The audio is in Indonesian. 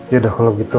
yaudah kalau gitu